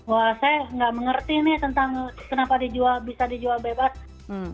wah saya nggak mengerti nih tentang kenapa bisa dijual bebas